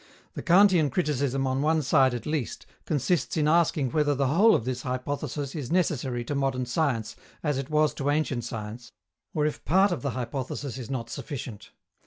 The Kantian criticism, on one side at least, consists in asking whether the whole of this hypothesis is necessary to modern science as it was to ancient science, or if part of the hypothesis is not sufficient.